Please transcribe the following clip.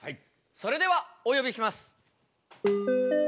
それではお呼びします。